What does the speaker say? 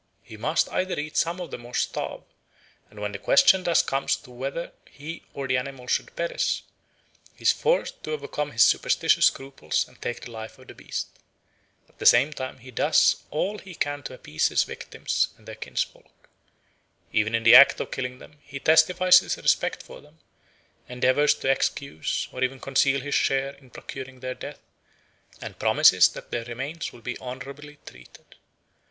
He must either eat some of them or starve, and when the question thus comes to be whether he or the animal must perish, he is forced to overcome his superstitious scruples and take the life of the beast. At the same time he does all he can to appease his victims and their kinsfolk. Even in the act of killing them he testifies his respect for them, endeavours to excuse or even conceal his share in procuring their death, and promises that their remains will be honourably treated.